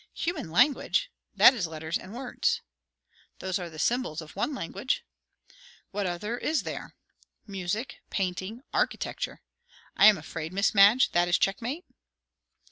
"Human language? That is, letters and words?" "Those are the symbols of one language." "What other is there?" "Music painting architecture I am afraid, Miss Madge, that is check mate?"